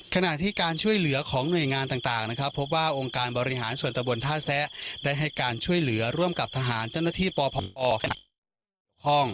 ขณะที่การช่วยเหลือของหน่วยงานต่างนะครับพบว่าองค์การบริหารส่วนตะบนท่าแซะได้ให้การช่วยเหลือร่วมกับทหารเจ้าหน้าที่ปพที่เกี่ยวข้อง